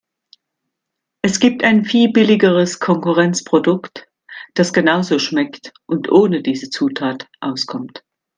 Es gibt ein viel billigeres Konkurrenzprodukt, das genauso schmeckt und ohne diese Zutat auskommt.